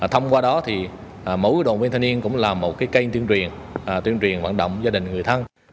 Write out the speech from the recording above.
thông qua đó thì mẫu đồng viên thanh niên cũng là một cái cây tuyên truyền tuyên truyền hoạt động gia đình người thân